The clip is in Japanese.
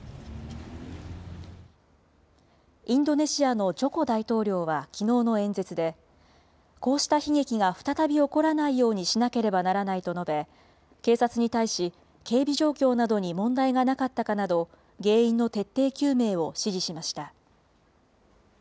インドネシアのジョコ大統領はきのうの演説で、こうした悲劇が再び起こらないようにしなければならないと述べ、警察に対し、警備状況などに問題がなかったかなど、原因の徹底究明を指示しました。